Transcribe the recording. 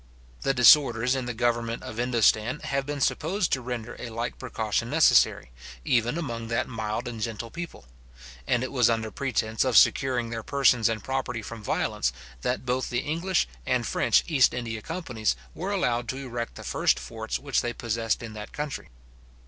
The disorders in the government of Indostan have been supposed to render a like precaution necessary, even among that mild and gentle people; and it was under pretence of securing their persons and property from violence, that both the English and French East India companies were allowed to erect the first forts which they possessed in that country.